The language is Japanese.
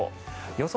予想